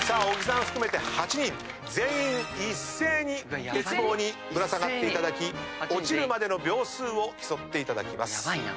小木さん含めて８人全員一斉に鉄棒にぶら下がっていただき落ちるまでの秒数を競っていただきます。